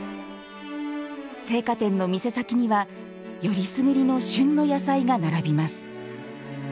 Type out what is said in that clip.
青果店の店先にはよりすぐりの旬の野菜が並びます。